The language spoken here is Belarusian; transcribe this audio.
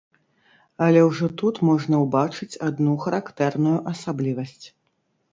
Але ўжо тут можна ўбачыць адну характэрную асаблівасць.